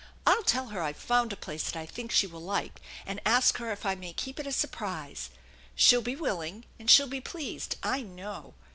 I'll tell her I've found a place that I think she will like, and ask her if I may keep it a surprise. She'll be willing, and she'll be pleased, I know!"